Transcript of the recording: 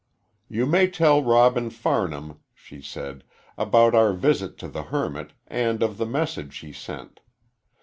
"You may tell Robin Farnham," she said, "about our visit to the hermit, and of the message he sent.